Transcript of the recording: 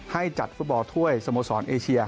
ให้จัดฟุตบอลถ้วยสโมสรเอเชีย